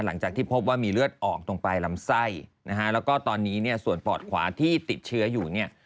หลังจากที่พบว่ามีเลือดออกตรงปลายลำไส้นะฮะแล้วก็ตอนนี้เนี่ยส่วนปอดขวาที่ติดเชื้ออยู่เนี่ย